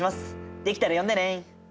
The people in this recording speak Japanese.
出来たら呼んでね。